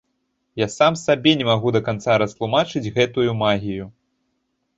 Я сам сабе не магу да канца растлумачыць гэтую магію.